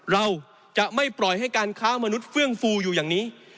เราจะไม่ปล่อยให้การค้ามนุษย์เฟื่องฟูอยู่อย่างนี้